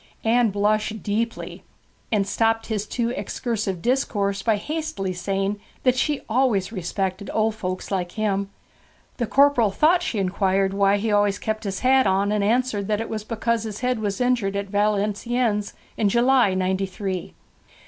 Anne blushed deeply, and stopped his too excursive discourse by hastily saying that she always respected old folks like him. The corporal thought she inquired why he always kept his hat on, and answered that it was because his head was injured at Valenciennes, in July, Ninety three.